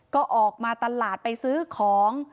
ก็ออกมาตลาดไปซื้อของ